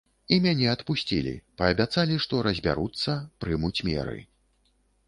І мяне адпусцілі, паабяцалі, што разбяруцца, прымуць меры.